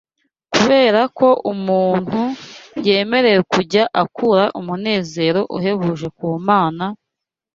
Kubera ko umuntu yaremewe kujya akura umunezero uhebuje ku Mana,